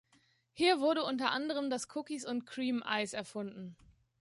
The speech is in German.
Hier wurde unter anderem das "Cookies und Creme"-Eis erfunden.